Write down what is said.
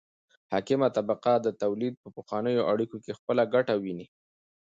حاکمه طبقه د تولید په پخوانیو اړیکو کې خپله ګټه ویني.